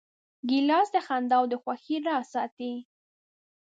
ګیلاس د خندا او خوښۍ راز ساتي.